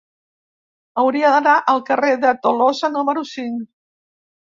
Hauria d'anar al carrer de Tolosa número cinc.